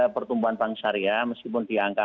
pertumbuhan bank syariah meskipun diangka